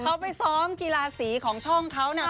เขาไปซ้อมกีฬาสีของช่องเขานะ